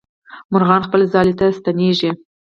مرغان خپل ځالې ته ستنېږي.